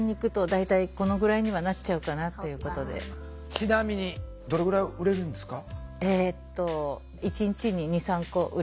ちなみにどれぐらい売れるんですか？